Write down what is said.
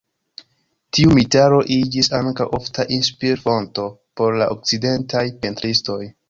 Tiu mitaro iĝis ankaŭ ofta inspir-fonto por la okcidentaj pentristoj.